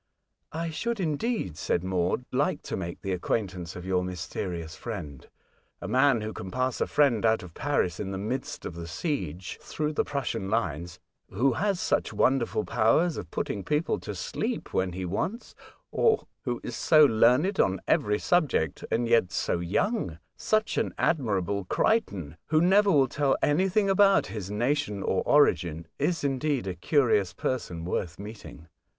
'' I should, indeed," said Maud, *' like to make the acquaintance of your mysterious friend. A man who can pass a friend out of Paris in the midst of the siege through the Prussian lines, — wbo has such wonderful powers of putting people to sleep when be wants, — who is so learned on every subject and yet so young, — such an admirable C rich ton, who never will tell anything about his nation, or origin, is indeed a curious person worth meeting.